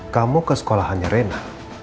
kamu ke sekolahannya rena